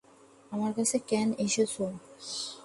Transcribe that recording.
আমার কাছে কেন এসেছ?